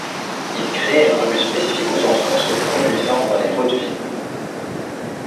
Il crée une revue spécifique aux enfants se produisant dans les vaudevilles.